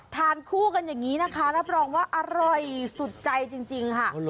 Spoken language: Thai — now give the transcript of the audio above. ทานคู่กันอย่างนี้นะคะรับรองว่าอร่อยสุดใจจริงค่ะ